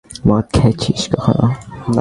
মদ খেয়েছিস কখনো?